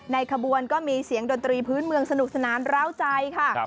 ขบวนก็มีเสียงดนตรีพื้นเมืองสนุกสนานร้าวใจค่ะ